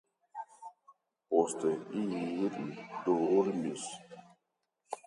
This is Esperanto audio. Poste ili dormis.